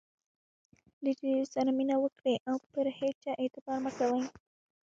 له ډېرو سره مینه وکړئ، او پر هيچا اعتبار مه کوئ!